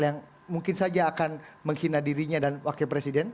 yang mungkin saja akan menghina dirinya dan wakil presiden